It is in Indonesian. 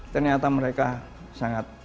ternyata mereka sangat